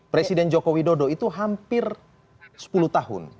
presiden joko widodo itu hampir sepuluh tahun